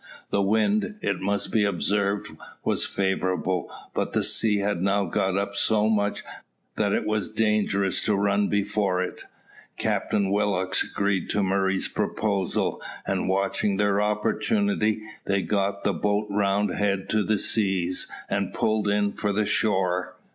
The wind, it must be observed, was favourable; but the sea had now got up so much, that it was dangerous to run before it. Captain Willock agreed to Murray's proposal, and, watching their opportunity, they got the boat round head to the seas, and pulled in for the shore.